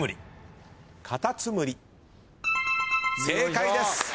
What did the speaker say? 正解です。